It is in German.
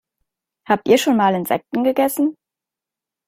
Habt ihr schon mal Insekten gegessen?